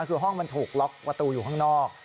คือมันถูกล็อกบัตรูอยู่ข้างนอก